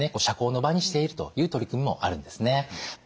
社交の場にしているという取り組みもあるんですね。